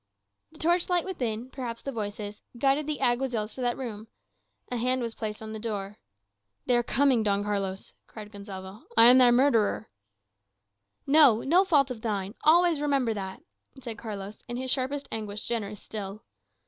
The torch light within, perhaps the voices, guided the Alguazils to that room. A hand was placed on the door. "They are coming, Don Carlos," cried Gonsalvo; "I am thy murderer." "No no fault of thine. Always remember that," said Carlos, in his sharpest anguish generous still.